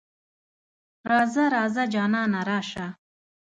راځه ـ راځه جانانه راشه.